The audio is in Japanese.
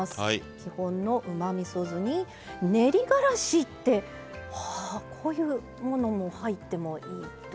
基本のうまみそ酢に練りがらしってこういうものも入ってもいい？